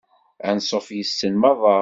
Ansuf yes-sen merra.